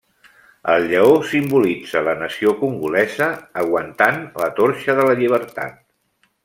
El lleó simbolitza la nació congolesa, aguantant la torxa de la llibertat.